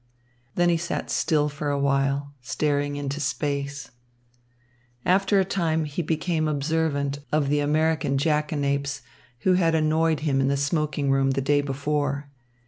Then he sat still for a while, staring into space. After a time he became observant of the American jackanapes, who had annoyed him in the smoking room the day before.